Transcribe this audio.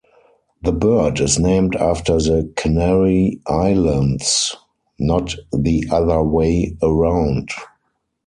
The bird is named after the Canary Islands, not the other way around.